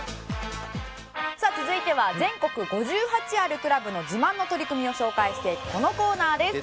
さあ続いては全国５８あるクラブの自慢の取り組みを紹介していくこのコーナーです。